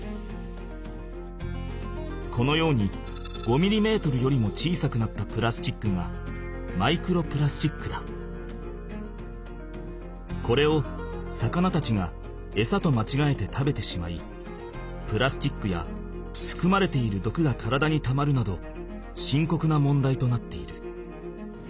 このように５ミリメートルよりも小さくなったプラスチックがこれを魚たちがエサとまちがえて食べてしまいプラスチックやふくまれているどくが体にたまるなどしんこくな問題となっている。